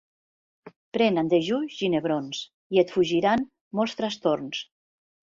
Pren en dejú ginebrons i et fugiran molts trastorns.